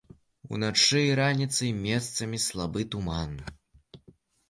Уначы і раніцай месцамі слабы туман.